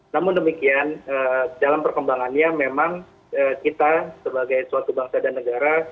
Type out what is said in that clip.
namun demikian dalam perkembangannya memang kita sebagai suatu bangsa dan negara